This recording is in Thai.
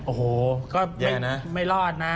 โอ้โหก็ไม่รอดนะ